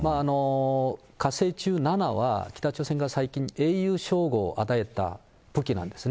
火星１７は北朝鮮が最近、英雄称号を与えた武器なんですね。